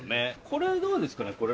これどうですかね？